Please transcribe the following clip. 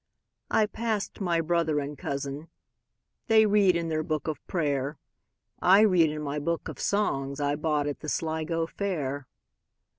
I passed my brother and cousin:They read in their books of prayer;I read in my book of songsI bought at the Sligo fair.